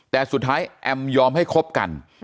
แต่สุดท้ายแอมยอมให้คบกัน